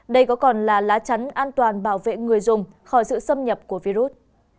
đây có còn là lá chắn an toàn bảo vệ người dùng khỏi sự xâm nhập của virus